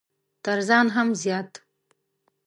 تر ځان هم زيات!